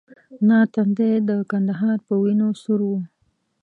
نه تندی د کندهار په وینو سور وو.